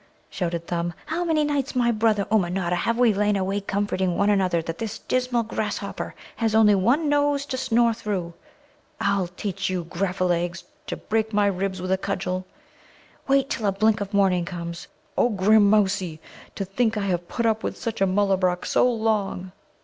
'" shouted Thumb. "How many nights, my brother Ummanodda, have we lain awake comforting one another that this dismal grasshopper has only one nose to snore through! I'll teach you, graffalegs, to break my ribs with a cudgel! Wait till a blink of morning comes! Oh, grammousie, to think I have put up with such a Mullabruk so long!"